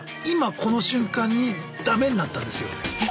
今この瞬間にダメになったんですよ。